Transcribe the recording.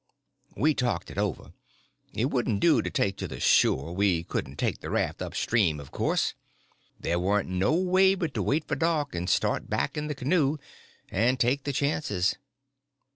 We talked it all over. It wouldn't do to take to the shore; we couldn't take the raft up the stream, of course. There warn't no way but to wait for dark, and start back in the canoe and take the chances.